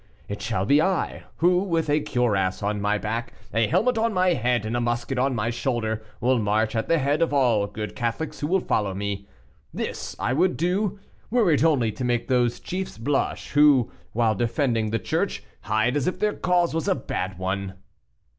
It shall be I, who with a cuirass on my back, a helmet on my head, and a musket on my shoulder, will march at the head of all good Catholics who will follow me. This I would do, were it only to make those chiefs blush, who, while defending the Church, hide, as if their cause was a bad one."